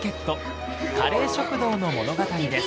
カレー食堂の物語です。